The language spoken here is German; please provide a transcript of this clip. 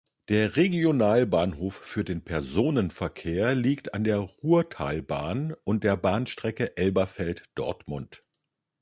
Der Regionalbahnhof für den Personenverkehr liegt an der Ruhrtalbahn und der Bahnstrecke Elberfeld–Dortmund.